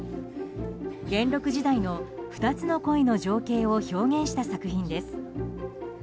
元禄時代の２つの恋の情景を表現した作品です。